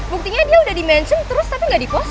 buktinya dia udah di mention terus tapi ga di post